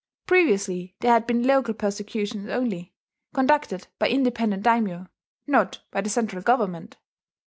Previously there had been local persecutions only, conducted by independent daimyo, not by the central government.